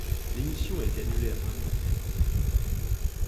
L'émission a été annulé après un court terme.